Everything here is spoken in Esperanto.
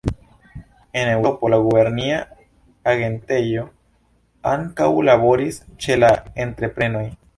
En Eŭropo, la gubernia agentejo ankaŭ laboris ĉe la entreprenoj.